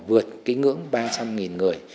vượt cái ngưỡng ba trăm linh người